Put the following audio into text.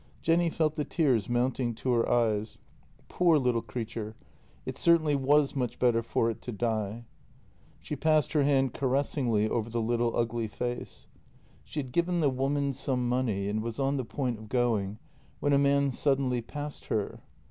Jenny felt the tears mounting to her eyes. Poor little crea 282 JENNY ture, it certainly was much better for it to die. She passed her hand caressingly over the little ugly face. She had given the woman some money, and was on the point of going when a man suddenly passed her.